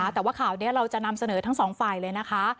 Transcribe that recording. แต่ว่าข่าวนี้เราจะนำเสนอทั้งสองฝ่ายเลยนะคะ